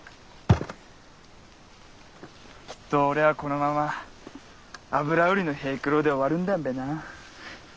きっと俺はこのまま油売りの平九郎で終わるんだんべなぁ。